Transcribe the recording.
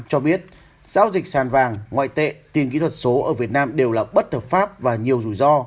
cho biết giao dịch sàn vàng ngoại tệ tiền kỹ thuật số ở việt nam đều là bất hợp pháp và nhiều rủi ro